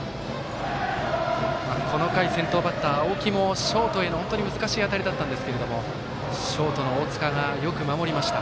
この回、先頭バッター、青木もショートへの本当に難しい当たりだったんですけれどもショートの大塚がよく守りました。